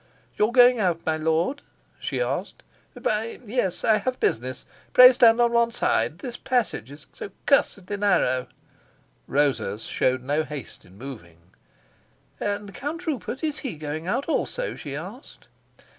"You're going out, my lord?" she asked. "Why, yes; I have business. Pray stand on one side, this passage is so cursedly narrow." Rosa showed no haste in moving. "And the Count Rupert, is he going out also?" she asked.